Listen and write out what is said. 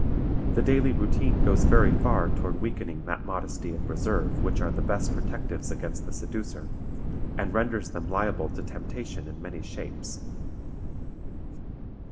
The daily routine goes very far toward weakening that modesty and reserve which are the best protectives against the seducer, and renders them liable to temptation in many shapes.